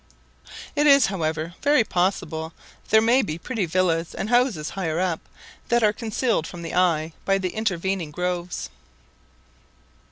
It is, however, very possible there may be pretty villas and houses higher up, that are concealed from the eye by the intervening groves.